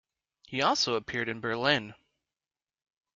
He also appeared in Berlin.